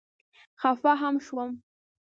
خفه هم شوم.